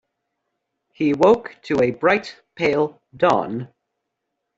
He woke to a bright, pale dawn.